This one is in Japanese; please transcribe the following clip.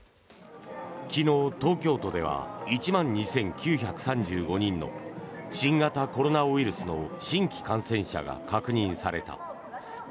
昨日、東京都では１万２９３５人の新型コロナウイルスの新規感染者が確認された。